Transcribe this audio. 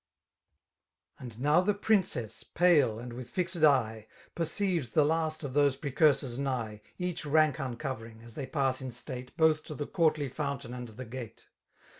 And now the Princess, pale and with fixed eye, Perodves the last of those precursors nigh. Each rank uncovering, as they pass in state. Both to the courtly fountain and the gate.